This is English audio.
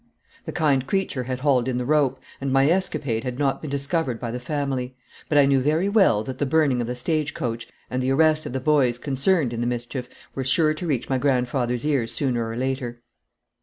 The kind creature had hauled in the rope, and my escapade had not been discovered by the family; but I knew very well that the burning of the stage coach, and the arrest of the boys concerned in the mischief, were sure to reach my grandfathers ears sooner or later.